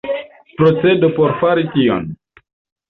Procedo por fari tion.